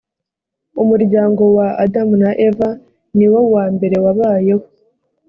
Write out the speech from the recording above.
umuryango wa adamu na eva ni wo wa mbere wabayeho